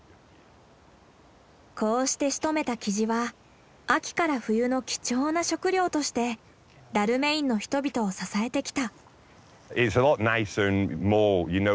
こうしてしとめたキジは秋から冬の貴重な食料としてダルメインの人々を支えてきた。